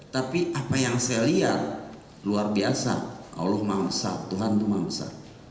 tapi apa yang saya lihat luar biasa allah mangsa tuhan itu maha besar